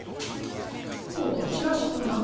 おおチラシとな。